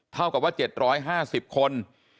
เท่ากับว่า๗๕๐คน